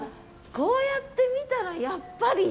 こうやって見たらやっぱり。